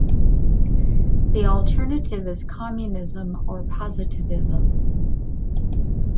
The alternative is Communism or Positivism.